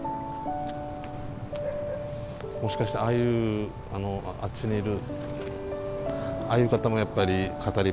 もしかしたらああいうあのあっちにいる。